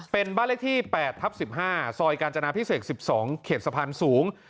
เป็นบ้านเลขที่๘ทับ๑๕ซอยกาญจนาพิเศษ๑๒เขตสะพานสูง